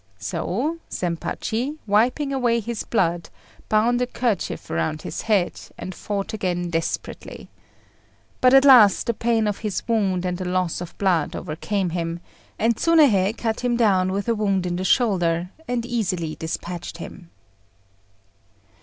So Zempachi, wiping away his blood, bound a kerchief round his head, and fought again desperately. But at last the pain of his wound and the loss of blood overcame him, and Tsunéhei cut him down with a wound in the shoulder and easily dispatched him.